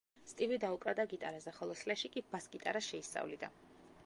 სტივი დაუკრავდა გიტარაზე, ხოლო სლეში კი ბას გიტარას შეისწავლიდა.